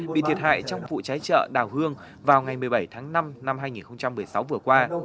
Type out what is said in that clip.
bị thiệt hại trong vụ cháy chợ đào hương vào ngày một mươi bảy tháng năm năm hai nghìn một mươi sáu vừa qua